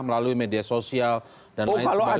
melalui media sosial dan lain sebagainya